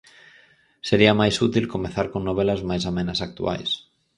Sería máis útil comezar con novelas máis amenas e actuais.